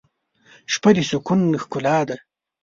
شپه د سکون ښکلا ده.